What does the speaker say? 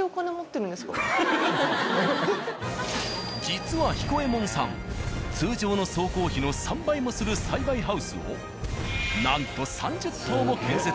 実は比古ェ門さん通常の総工費の３倍もする栽培ハウスをなんと３０棟も建設。